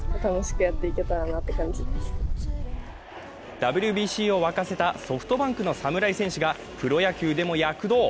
ＷＢＣを沸かせたソフトバンクの侍戦士がプロ野球でも躍動。